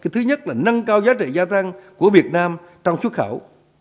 thứ nhất là nâng cao giá trị gia tăng của việt nam trong xuất khẩu